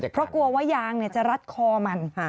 เพราะกลัวว่ายางจะรัดคอมัน